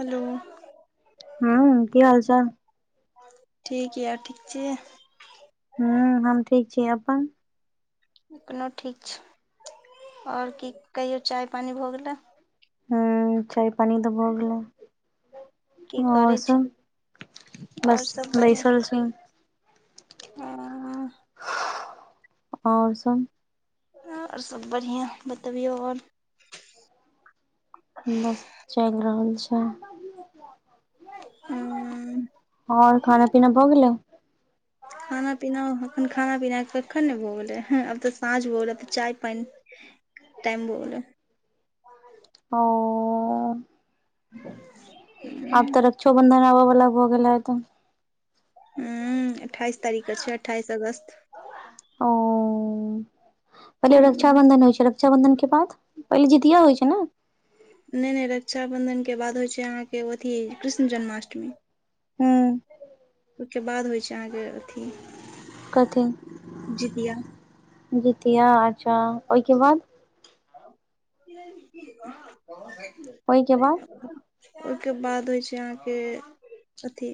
Hello हँ की हाल चाल ठीक ये ठीक छी। हुँ हम ठीक छी अपन एनो ठीक छै आओर की कहियो चाय पानी भऽ गेलै हँ चाय पानी तऽ भऽ गेलै। की आओर करै छी सब और बस सब बढ़िआँ बैसल छी हँ आओर सब आओर सभ बढ़ियाँ बतबियौ आओर बस चलि रहल छै हुँ आओर खाना पीना भऽ गेलै [inaudible] खाना पीना अखन खाना पीनाे कखन ने भऽ गेलै आब तऽ साँझ भऽ गेलै आब तऽ चाय पानि टाइम भ गेलै ओ आब तऽ रक्षो बंधन आबऽ बला भ गेल हेएतऽ ऊ अठाइस तारीख क छै अठाइस अगस्त ओ पहिले हूँ रक्षाबन्धन होइ छै र रक्षाबंधन के बाद पहिले जीतिया होइ छै न नै नै रक्षाबन्धन के बाद होइ छै अहाँके अथी कृष्ण जन्माष्टमी हूँ ओई के बाद होइ छै अहाँके अथी कथी जितिया जितिया अच्छा ओई के बाद [inaudible] ओईके बाद ओईके बाद होइ छै अहाँके अथी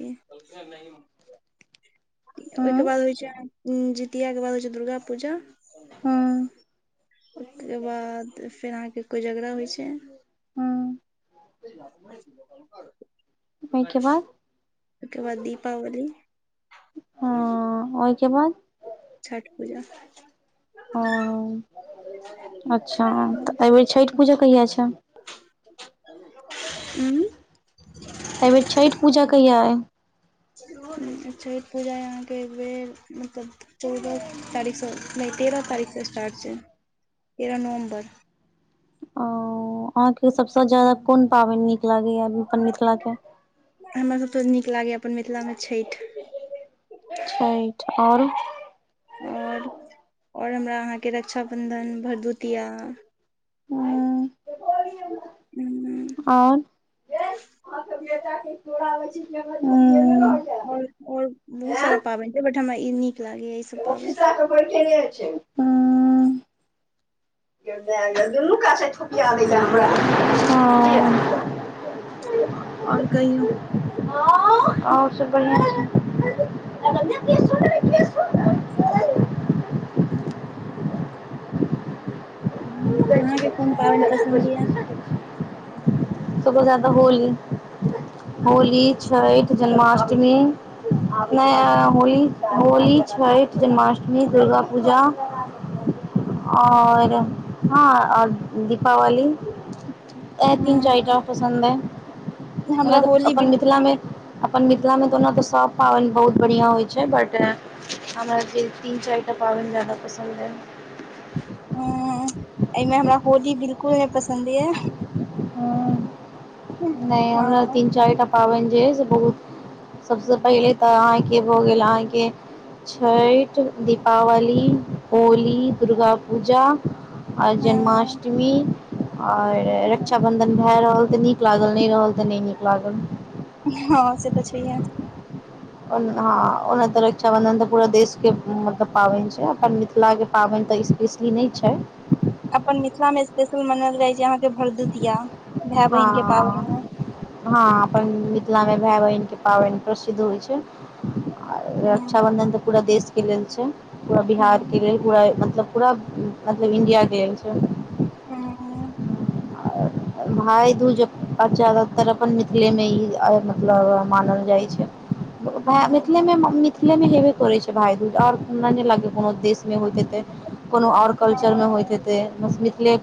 हूँ ओईके बाद होइ छै जितियाके बाद होइ छै दुर्गा पूजा हूँ ओके बाद फेर आहाँके कोजगरा होइ छै हूँ ओहिके बाद ओईके बाद दीपावली हँ ओईके बाद छठ पूजा हँ अच्छा तऽ एहिबेर छठि पूजा कहिया छै ऊ एईबेर छठि पूजा कहिया अइ छठि पूजा अहाँके एक बेर मतलब चौदह तारीकसँ नै तेरह तारीकसँ एस्टार्ट छै तेरह नवम्बर ओ अहाँके सबसँ ज्यादा कोन पाबनि नीक लागैया अपन मिथिलाके हमरा सब के नीक लागैया अपन मिथिलामे छठि छठि आओर आओर आओर हमरा अहाँके रक्षाबन्धन भरदुतिया उम्म ऊ ह त दौड़ब [unintelligible] आओर आओर बहुत सारा पाबनि छै बट हमरा ई नीक लागैया ई सब पाबनि बी सा कोइ ख छै [unintelligible] गे माए गे दुनू कात स छौकिया दैया हमरा आओर कहियौ आओर सब बढ़िआ छै अहाँके कोन पाबनि पसन्द यऽ सबस जाद होली होली छैठ जन्माष्टमी नै होली होली छठि जन्माष्टमी दुर्गा पूजा आओर हँ आओर दीपावली एहा तीन चारि ह टा पसन्द अई हमरा ओनातऽ होली अपन बिलकुल मिथिलामे अपन मिथिलामे तऽ ओना तऽ सब पाबनि बहुत बढ़िआँ होइ छै बट हमरा जे तीन चारि टा पाबनि ज्यदा पसन्द अई हूँ एहिमे हमरा होली बिल्कुल नै पसन्द यै हं नय हमरा तीन चारिटा पाबनि जे य से बहुत सबस पहिले तऽ अहाँके भऽ गेल अहाँके छैठ दीपावली होली दुर्गापूजा अ हँ जन्माष्टमी और रक्षाबंधन भए रहल तऽ नीक नीक लागल नय रहल तऽ नय नीक लागल हँ से तऽ छै है [inaudible] ओना ओना तऽ रक्षाबंधन तऽ पूरा देश के मतलब पाबनि छै अपन मिथिला के पाबनि तऽ इश इश ई नय छै अपन मिथिला मे स्पेशल मनाल जाय या अहाँ के भरदुतीया भाय बहिन के पावनि मे हँ हँ अपन मिथिलामे भाय बहिनके पाबैन प्रसिद्ध होइ छै आ ह रक्षाबंधन तऽ पूरा देश के लेल छै पूरा बिहार के लेल पूरा मतलब पूरा मतलब इण्डिया के लेल छै हं भााय दूज आ ज्यादातर अपन मिथिले मे ई मतलब मानल जाइ छै ह बा मिथिल मे मिथिले मे हेबे करै छै भाय दूज आओर हमरा नय लागय कोनो देश मे होएत ऐछ कोनो आओर ह कल्चरमे होइत ह हेतै बस मिथिले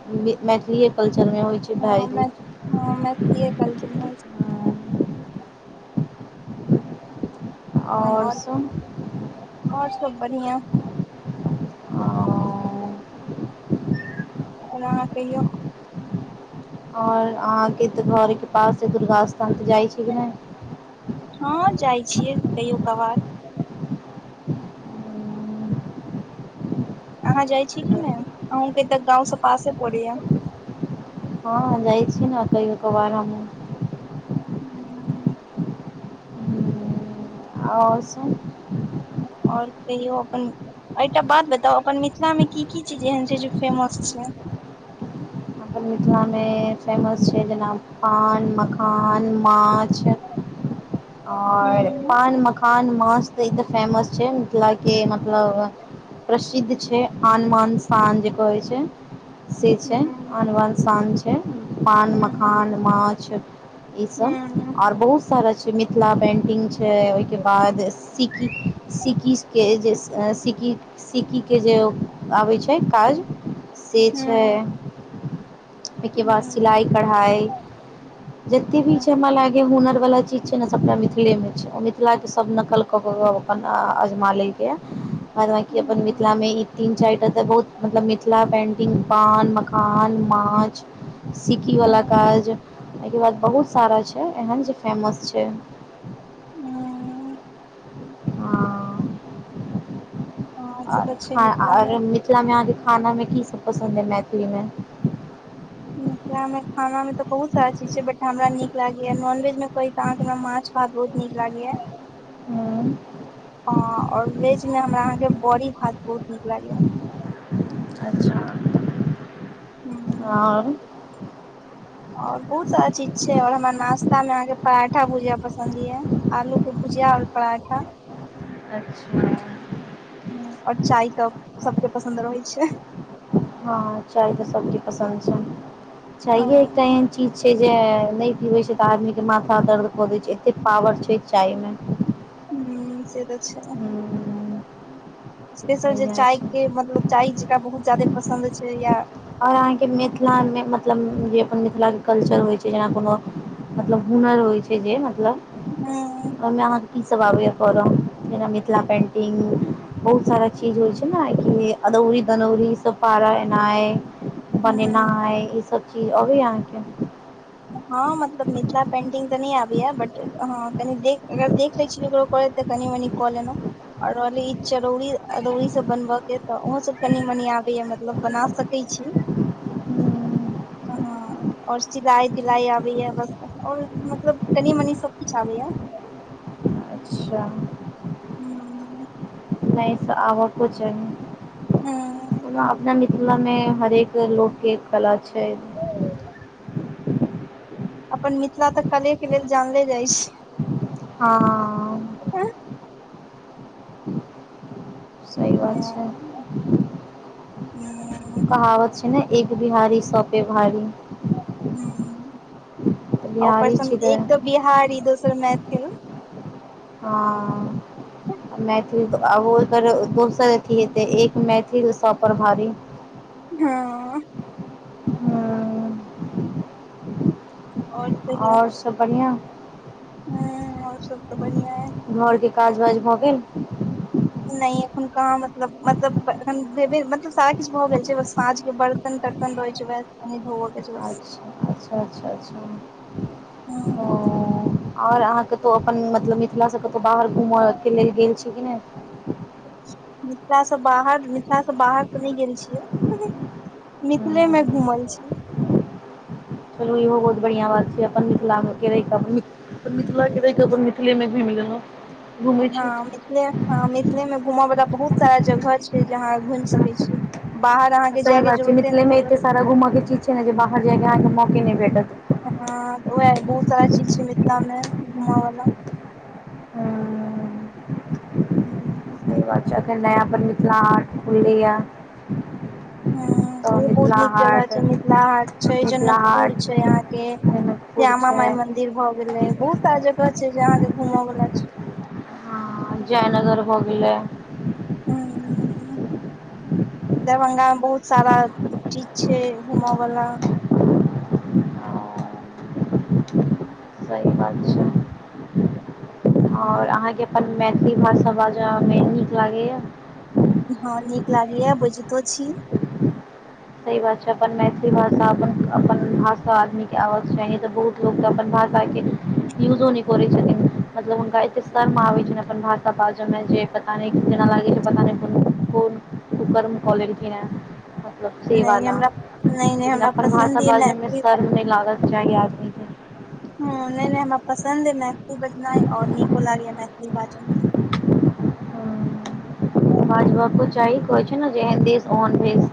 मैथिलीए कल्चरमे होइत भाय छ नय हम मेथलिए कल्चर [inaudible] [unintelligible] आओर सब आओर सब बढ़िआ आओर और अहाँ कहियौ और अहाँ के तऽ घरे के पास छै दुर्गा स्थान त जाइ छी कि नै हँ जाइ छियै कहियो कभार अहाँ जाइ छी की नै आहूँके तऽ गांव से पासे पड़ैया हँ जाइ छी ने कहियओ कभार हमहू हुं हूं आओ सब आओर कहियो अपन ऐहिटा बात बताउ अपन मिथिला मे की की चीज एहन छै जे फेमस छै अपन मिथिलामे फेमस छै जेना पान मखान माछे [inaudible] हूँ आओर पान मखान माछ तऽ ई तऽ फेमस छै मिथिला के मतलब प्रसिद्ध छै आनमान सान जे कहै छै से छै हूँ आन बान शान छै पान हूँ मखान माछ ई हूँ सब हूँ आओर बहुत सारा छै मिथिला पेन्टिंग छै ओहिके बाद सीकी क सिकी के जे सकी सिकीके जे आबै छै काज से छै हूँ ओहिके बाद सिलाई कढ़ाई जते भी छै हमरा लागय हुनर वाला चीज छै ने सबटा मिथिले मे छै मिथिला के सब नकल कहब हमरा अजमा लैके बाद बांकी अपन मिथिला मे ई तीन चारिटा तऽ बहुत मतलब मिथिला पेंटिंग पान मखा कान माछ हूँ सिकीवला हूँ काज [unintelligible] बाद बहुत सारा छै एहन जे फेमस छै नै हँ हँ से आओर तऽ ख छै मिथिला आओर मे मिथिला में अहाँके खाना में कीसभ पसन्द अइ मैथिली में। मिथिला मे खाना मे तऽ बहुत सारा चीज छै। बट हमरा नीक लागेया नॉनवेज मे कही त अहाँ केना माछ। बहुत नीक लागैया। हँ। और वेज में हमरा अहाँ के बड़ी भात बहुत नीक लागेया। अच्छा। हू। आओर। और बहुत सारा चीज छै। और हमरा नाश्ता मे अहाँ के पराठा भूजा पसंन्द ये आलू। भुजिया आ पड़ाठा। अच्छा। आओर चाय तऽ सभ केँ पसन्द रहैत छै। हँ चाय त सभ केँ पसन्द छै। च एकटा ह चीज छै। जे नहि पीबे छै। तऽ आदमी के माथा दर्द कऽ देय छै। एते पावर छै। चाय में। ह से तऽ छै। स्पेशल जे बढ़िआँ चाय छै के मतलब चाय जेकरा बहुत ज्यादे पसन्द छै। या और अहाँके मिथिला में। मतलब जे अपन मिथिला के। कल्चर होइ छै। जेना कोनो मतलब हुनर होइ छै। जे मतलब ह ओमे अहाँ। ईसभ आबैए पड़ब जेना मिथिला पेन्टिंग। बहुत सारा चीज होइ छै। ने कि अदौरी दनौरी ई सभ पारा एनाइ। ह बनेना है ई सभ चीज अभी यहाँके। हँ मतलब मिथिला पेंटिंग। तऽ नहि आबैएा बट हँ कनि देख अगर देख लै छीयै ककरोत। कनि मनि कल ने। आओर रहलै ई चरौरी अरौरी। सभ बनबय के तऽ ओहोसभ कनी मनी आबैया मतलब बना सकैत छी। ह। और सिलाई तिलाई आबैएा बस आओर मतलब कनी मनी सभ किछु आबैएा। अच्छा। हू। नहि आब को हूँ अपना। मिथिला में हरेक लोक कला छै। अपन मिथिला तऽ कले के लेल जानले जाइ छै। ह। सी बात हँ छै। हूँ कहावत। ह ने एक बिहारी सभ पे भारी। तऽ बिहारी ऊपरसँ छी एक तऽ बिहारी दोसर मैथिल। हँ। मैथिल बहुत सार अथी हतै एक मैथिल। सभ पर भारी। हँ। हँ। और आओर सभ बढ़िआँ। ह आओर सभ तऽ बढ़िआ है। घोर के काज वाज भ गेल। नहि एखन कहाँ मतलब मतलब एखन भेबे मतलब सारा किछ भऽ गेल छै। साँझ के वर्त। [unintelligible] अच्छा अच्छा अच्छा अच्छा हूं ओ। ओर अहाँ कतहु अप्पन मतलब मिथिला सँ कतहु बाहर घूमय के लेल गेल छी कि नहि मिथिला सँ बाहर मिथिलासँ बाहर त नहि गेल छियै मिथिले मे नहि। घुमल छी चलू इहो बहुत बढ़िआँ बात छै। अप्पन मिथिला में रहै क अपन मिथिलाे रहके अप्पन मिथिले मे भी मिलल हँ मिथिले हँ मिथिले मे घूमय वाला बहुत सारा जगह छै। जहााँ घुमि सकैत छी बाहर अहाँ सही बात छै। मिथिले में एते सारा घूमऽ के चीज छै। ने जे बाहर जायके अहाँके मौके नहि भेटत हँ उएह बहुत सारा चीज छै। मिथिला में घूमऽ वाला हूँ। ह बात एखन नया पर मिथिला हाट खुललैय। हु ओहो बहुत नीक जगह छै। मिथिला हाट छै। जनकपुर छै। अहाँके जनकपुर श्यामा छै माय मंदिर भ गेलै बहुत सारा जगह छै। जे अहाँके घूमय वला छै। आ जयनगर भ गेलै दरभंगा में बहुत सारा चीज छै। घूम वाला सही बात छै। ओर अहाँके अप्पन मैथिली भाषा बाजय मे नीक लागैया हा नीक लागय या बुझितो छी। सी बात छै। अप्पन मैथिली भाषा अप्पन अप्पन भाषा आदमी के आब के चाही तऽ बहुत लोक तऽ अप्पन भाषा के यूजो नहि करै छथिन मतलब हुनका एते शर्म आबै छै। अप्पन भाषा बाजय मे जे पता नहि ना लागै छै। पता नय कोन कुकर्म कऽ ललखिन हे मतलब से नहि वादा हमरा नहि नहि लेकिन हमरा अप्पन पसन्द भाषा य बाजै मे मैथिली शर्म नहि लागल चाही आदमी के हा नहि नहि हमरा पसन्द है मैथिली बजनाय और नीको लागै ह मैथिली बाजू में सही कहो छै। ने जेहन देश ओहन भेस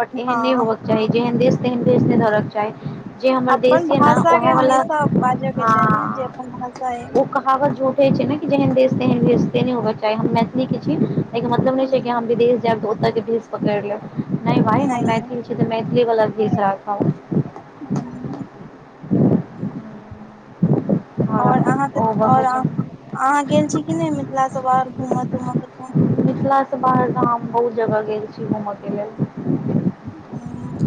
बट एहन नय हँ चाही जेहन देश तेहन भेस नहि होइ के चाही जे हमर अपन देश या ने भाषा उह के वला हमेशा बाजऽ के हा चाही जे अपन भाषा अइ ओ कहावत झूठै छै। ने कि जेहन तेहन भेस से नहि होबके चाही हम मैथिलीके छी एहिके मतलब नहि छै। कि आहा हूँ, विदेश जाब तऽ ओतय के भेस पकड़ लेब नहि भाई हम नहि मैथिल छी तऽ मैथिली वला भेस राखब [inaudible] आओर ओर अहाँके ओ आओर बतबै छै अहाँ अहा गेल छी कि नहि मिथिला स बाहर घूमय तूमय क मिथिला सँ बाहर तऽ हम बहुत जगह गेल छी घूम के लेल [inaudible]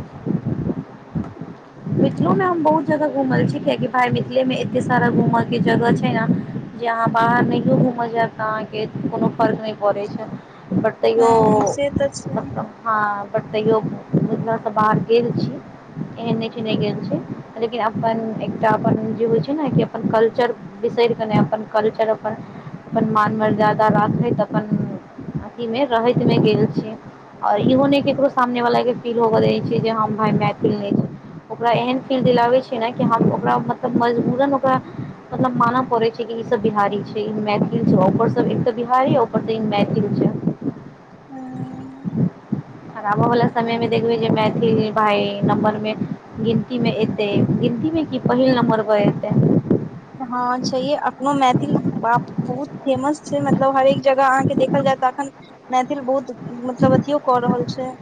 मिथिलो में हम बहुत जगह घुमल छी कियकि भाय मिथिले मे एते सारा घूमय के जगह छै। ने जे अहाँ बाहर नहियो घूमल जायब तऽ अहाँके कोनो फर्क नहि पड़ैत छै। ब तयो हँ से तऽ छै हँ बट तैयो हम एतअ बाहर गेल छी एहन नहि छै। नहि गेल छी लेकिन अप्पन एकटा अप्पन ओ जे होय छै। ने कि अप्पन कल्चर बिसरि गेनाइ अप्पन कल्चर आपन अपन मान मर्यादा राखैत अप्पन अथी ममें रहैत मे गेल छी और इहो ने केकरो सामने वाला के फील होव द छै। जे हम भाय मैथिल नय छै। ओकरा एहन फील दिलाबै छैयै ने कि हम ओकरा मतलब मजबूरन ओकरा मतलब मानऽ पड़ै छै कि ई सब बिहारी छै ई मैथिल छै पर सब एक त बिहारी ऊपर सँ ई मैथिल छै आबऽ वाला समय मे देखबै जे मैथिल भाइ नम्बर मे गिनती मे एतै गिनती मे की पहिल नम्बर पर एतै हँ छै अपननो मैथिल बाप बहुत फेमस छै मतलब हरेक जगह अहाँके देखल जाए तऽ एखन मैथिल बहुत मतलब अथियो कऽ रहल छै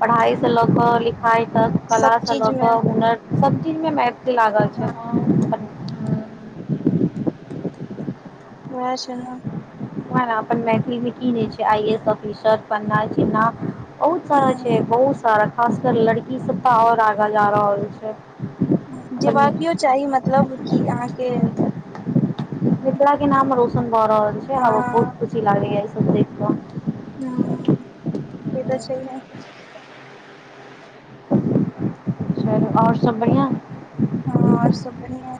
पढ़ाइ सँ लऽ कऽ लिखाइ तक कला सब सँ लऽ चीज मे कऽ हुनर सब चीज मे मै लागल हँ छै वएह छै न वहए न अपन मैथिली भी की नै छै आई एस ऑफिसर पना चिलना बहुत सारा छै हँ बहुत सारा खास कर लड़की सब त आओर आगा जा रहल छै। अपन जेबाकीयो चाही मतलब कि अहाँके मिथिला के नाम रोशन भऽ रहल छै आ हँ बहुत खुशी लागैया ई सब देख कऽ हँ से त छै हे- - कऽ आओर सब बढ़िया हँ आओर सब बढ़ीयाँ